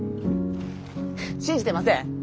信じてません？